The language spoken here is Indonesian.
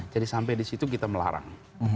jadi sampai di situ kita melarang